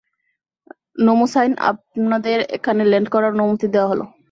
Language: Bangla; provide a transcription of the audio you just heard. নেমোসাইন, আপনাদের এখানে ল্যান্ড করার অনুমতি দেওয়া হলো।